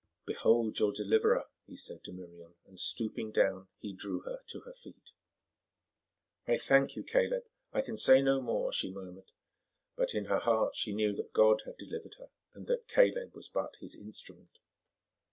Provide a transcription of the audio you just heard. "Behold your deliverer!" he said to Miriam, and stooping down, he drew her to her feet. "I thank you, Caleb. I can say no more," she murmured; but in her heart she knew that God had delivered her and that Caleb was but His instrument.